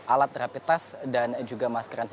alat rapid test dan juga masker n sembilan puluh lima